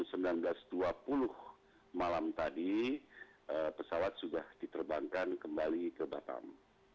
malam tadi pesawat sudah diterbangkan kembali ke batam